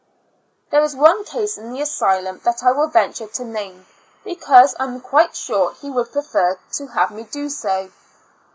There is one case in the asylum that I will venture to name, because I am quite sure he would prefer to have me do so.